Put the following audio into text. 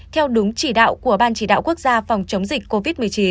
theo đúng chỉ đạo của ban chỉ đạo quốc gia phòng chống dịch covid một mươi chín